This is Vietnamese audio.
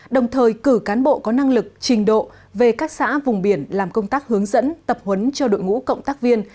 đồng thời cử cán bộ có năng lực trình độ về các xã vùng biển làm công tác hướng dẫn tập huấn cho đội ngũ cộng tác viên